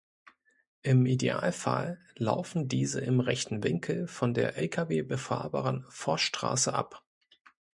Im Idealfall laufen diese im rechten Winkel von der Lkw-befahrbaren "Forststraße" ab.